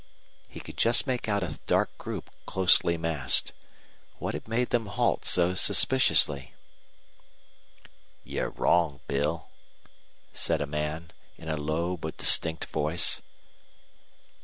He could just make out a dark group closely massed. What had made them halt so suspiciously? "You're wrong, Bill," said a man, in a low but distinct voice.